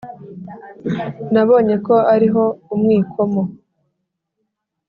nabonye ko ariho umwikomo,